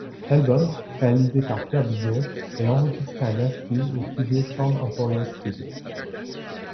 L'album, réalisé par Pierre Billon, est enregistré à Nashville au studio Sound Emporium Studio.